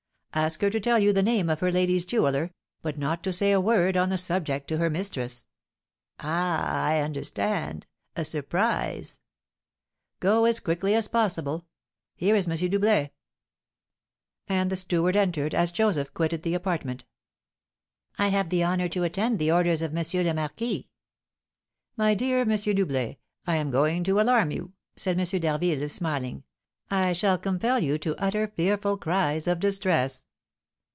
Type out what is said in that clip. "Ask her to tell you the name of her lady's jeweller, but not to say a word on the subject to her mistress." "Ah, I understand, a surprise." "Go as quickly as possible. Here is M. Doublet." And the steward entered as Joseph quitted the apartment. "I have the honour to attend the orders of M. le Marquis." "My dear M. Doublet, I am going to alarm you," said M. d'Harville, smiling; "I shall compel you to utter fearful cries of distress."